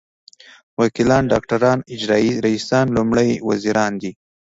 وکیلان ډاکټران اجرايي رییسان لومړي وزیران دي.